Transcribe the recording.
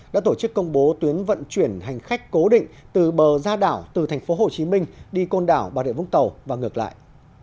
đã tổ chức công bố tuyến vận chuyển hành khách cố định từ bờ ra đảo từ tp hcm đi côn đảo bà rịa vũng tàu và ngược lại